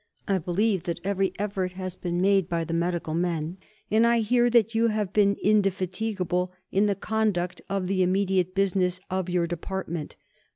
I believe that every effort has been made by the medical men, and I hear that you have been indefatigable in the conduct of the immediate business of your department.